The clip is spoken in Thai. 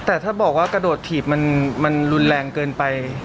แต่ถ้าบอกว่ากระโดดถีบมันรุนแรงเกินไป